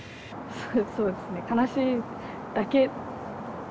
そうですね悲しいだけでもない。